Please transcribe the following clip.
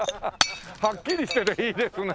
はっきりしてていいですね！